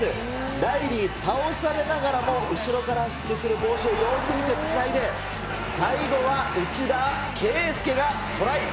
ライリー倒されながらも、後ろから走ってくるボーシェーをよく見てつないで、最後は内田啓介がトライ。